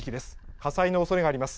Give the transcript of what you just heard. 火災のおそれがあります。